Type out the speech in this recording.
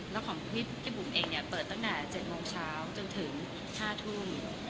แล้วของควิปกิปบุ๊บเองเนี่ยเปิดตั้งแต่เจ็ดโมงเช้าจึงถึงห้าทุ่ม